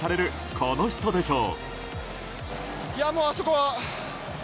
この人でしょう。